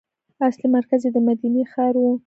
اصلي مرکز یې د مدینې ښار و.